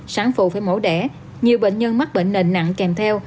sáng phụ phải mẫu đẻ nhiều bệnh nhân mắc bệnh nền nặng kèm theo